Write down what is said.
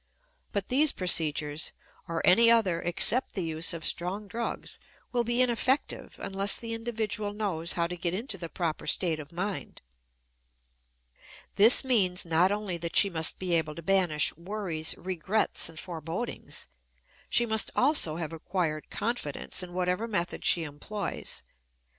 But these procedures, or any other except the use of strong drugs, will be ineffective unless the individual knows how to get into the proper state of mind. This means not only that she must be able to banish worries, regrets, and forebodings; she must also have acquired confidence in whatever method she employs.